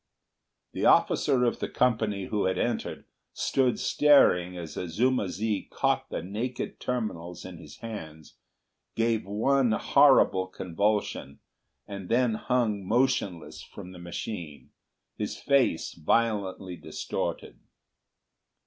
The officer of the company who had entered, stood staring as Azuma zi caught the naked terminals in his hands, gave one horrible convulsion, and then hung motionless from the machine, his face violently distorted.